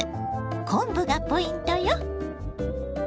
昆布がポイントよ。